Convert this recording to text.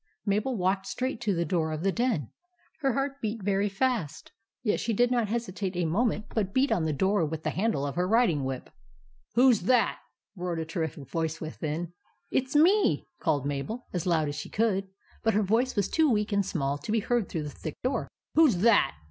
Mabel walked straight to the door of the den. Her heart beat very fast; yet she did not hesitate a moment, but beat on the door with the handle of her riding whip. 2i 4 THE ADVENTURES OF MABEL "WHO'S THAT?" roared a terrific voice within. " It 's me," called Mabel, as loud as she could ; but her voice was too weak and small to be heard through the thick door. " WHO 'S THAT?